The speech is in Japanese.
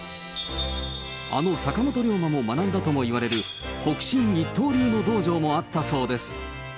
あの坂本龍馬も学んだともいわれる、北辰一刀流の道場もあったそうです。